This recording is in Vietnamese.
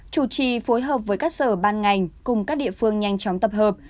chủ trì phối hợp với các sở ban ngành cùng các địa phương nhanh chóng tập hợp